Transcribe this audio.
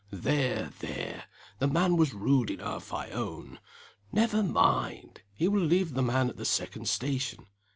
"There! there! the man was rude enough I own. Never mind! he will leave the man at the second station.